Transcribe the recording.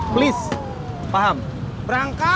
please paham berangkat